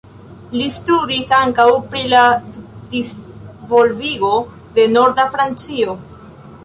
Li studis ankaŭ pri la subdisvolvigo de Norda Francio.